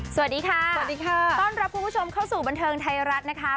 สวัสดีค่ะสวัสดีค่ะต้อนรับคุณผู้ชมเข้าสู่บันเทิงไทยรัฐนะคะ